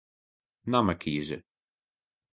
Namme kieze.